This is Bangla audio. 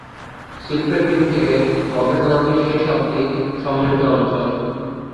শিল্পের দিক থেকে গত শতাব্দীর শেষ অবধি সমৃদ্ধ অঞ্চল।